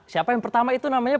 siapa yang pertama itu namanya